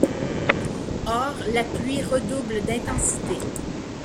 Or, la pluie redouble d'intensité.